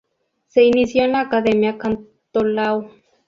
Se inició en la Academia Cantolao.